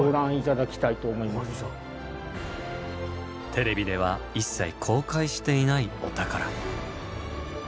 テレビでは一切公開していないお宝。